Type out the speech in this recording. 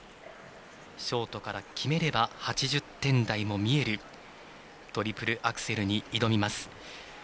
ショートから決めれば８０点台も見えるトリプルアクセルに挑みます。